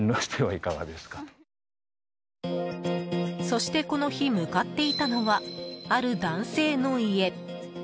そしてこの日向かっていたのは、ある男性の家。